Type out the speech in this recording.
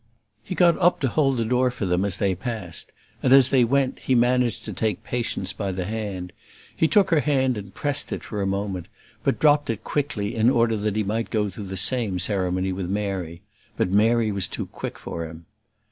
He got up to hold the door for them as they passed; and as they went, he managed to take Patience by the hand; he took her hand and pressed it for a moment, but dropped it quickly, in order that he might go through the same ceremony with Mary, but Mary was too quick for him.